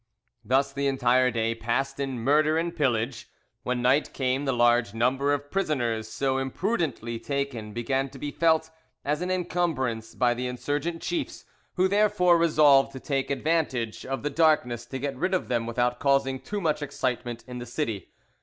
Thus the entire day passed in murder and pillage: when night came the large number of prisoners so imprudently taken began to be felt as an encumbrance by the insurgent chiefs, who therefore resolved to take advantage of the darkness to get rid of them without causing too much excitement in the city.